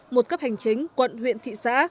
một cấp hành chính quận huyện thị xã